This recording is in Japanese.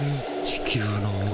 地球の王。